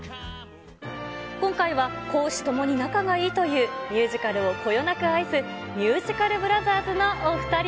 今回は公私ともに仲がいいという、ミュージカルをこよなく愛すミュージカルブラザーズのお２人。